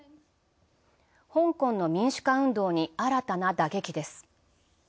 香港の民主化運動に新たな打撃です。